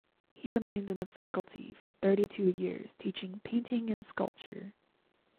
He remained on the faculty for thirty two years teaching painting and sculpture.